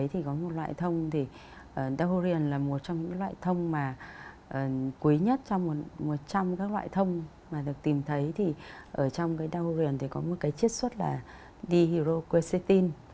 nếu như những cái tài liệu mà tôi đọc được thì dahurian là một trong những loại thông mà quý nhất trong một loại thông mà được tìm thấy thì ở trong cái dahurian thì có một cái chiết xuất là dihiroquercetin